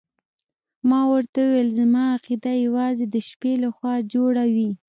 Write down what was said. ما ورته وویل زما عقیده یوازې د شپې لخوا جوړه وي.